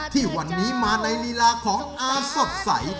ที่วันนี้มาในรีลาของอาศัพท์ใส